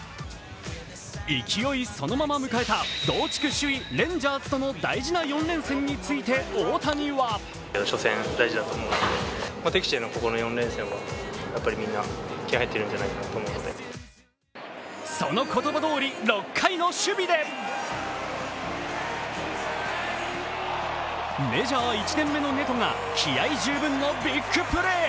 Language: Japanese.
勢いそのまま迎えた同地区首位・レンジャーズとの大事な４連戦について大谷はその言葉どおり、６回の守備でメジャー１年目のネトが気合十分のビッグプレー。